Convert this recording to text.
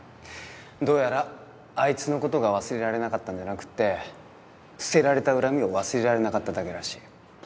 どうやらあいつのことが忘れられなかったんじゃなくって捨てられた恨みを忘れられなかっただけらしい。